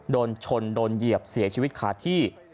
โดนชนโดนเหยียบเสียชีวิตขาดที่